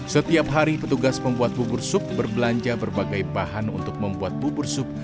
setiap hari petugas membuat bubur sup berbelanja berbagai bahan untuk membuat bubur sup